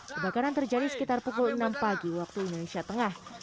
kebakaran terjadi sekitar pukul enam pagi waktu indonesia tengah